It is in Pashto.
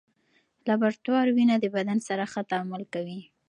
لابراتوار وینه د بدن سره ښه تعامل کوي.